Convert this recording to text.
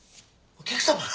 お客様？